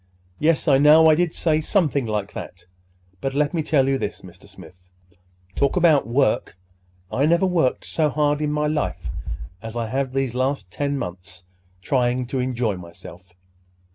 Yes, I know I did say something like that. But, let me tell you this, Mr. Smith. Talk about work!—I never worked so hard in my life as I have the last ten months trying to enjoy myself.